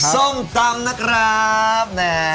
ซ่อมตามนะครับ